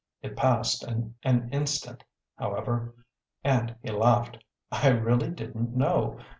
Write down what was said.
It passed in an instant however, and he laughed. "I really didn't know.